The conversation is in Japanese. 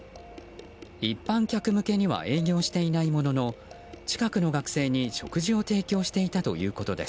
一般客向けには営業していないものの近くの学生に食事を提供していたということです。